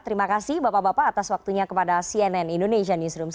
terima kasih bapak bapak atas waktunya kepada cnn indonesia newsroom